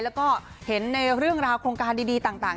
แล้วก็เห็นในเรื่องราวโครงการดีต่าง